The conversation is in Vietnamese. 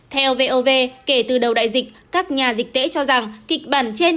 theo vov kể từ đầu đại dịch các nhà dịch tễ cho rằng kịch bản trên